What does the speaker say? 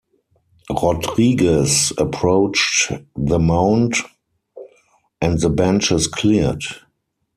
Rodriguez approached the mound and the benches cleared.